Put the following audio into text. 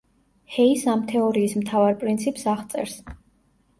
ჰეის ამ თეორიის მთავარ პრინციპს აღწერს.